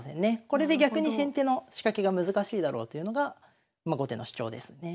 これで逆に先手の仕掛けが難しいだろうというのが後手の主張ですよね。